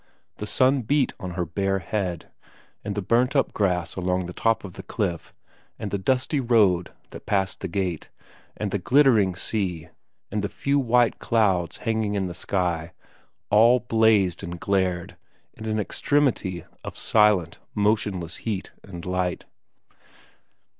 The sun beat on her bare head ; and the burnt up grass along the top of the cliff, and the dusty road that passed the gate, and the glittering sea, and the few white clouds hanging in the sky, all blazed and glared in an extremity of silent, motionless heat and light.